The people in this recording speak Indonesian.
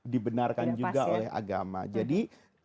dibenarkan juga oleh agama jadi